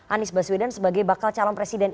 anies baswedan sebagai bakal calon presiden